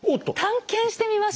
探検してみましょう。